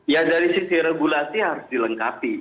ya dari sisi regulasi harus dilengkapi